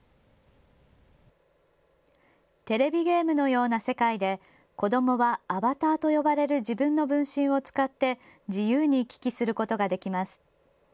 テレビゲームのような世界で、子どもはアバターと呼ばれる自分の分身を使って自由に行き来することができます。